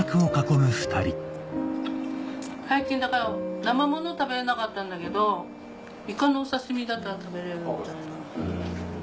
最近だから生もの食べれなかったんだけどイカのお刺し身だったら食べれるみたいな。